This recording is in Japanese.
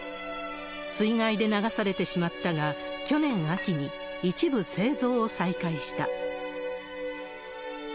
水害で流されてしまったが、去年秋に一部製造を再開した。